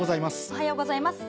おはようございます。